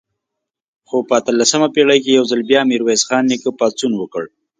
خو په اتلسمه پېړۍ کې یو ځل بیا میرویس خان نیکه پاڅون وکړ.